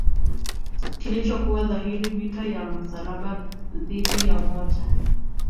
kilichokuwa dhahiri vita ya msalaba dhidi ya umoja